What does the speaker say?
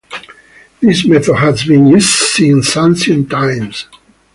This method has been used since ancient times.